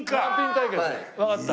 わかった。